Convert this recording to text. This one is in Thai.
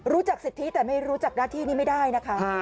สิทธิแต่ไม่รู้จักหน้าที่นี่ไม่ได้นะคะ